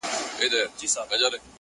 له خوب چي پاڅي؛ توره تياره وي؛